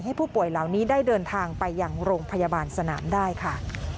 ผู้ป่วยเหล่านี้ได้เดินทางไปยังโรงพยาบาลสนามได้ค่ะ